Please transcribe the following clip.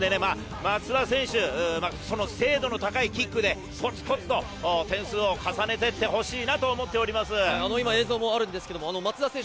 松田選手、精度の高いキックでコツコツと点数を重ねていってほしいなと思っています。